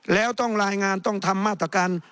แล้วต้องรายงานต้องทำมาตรการ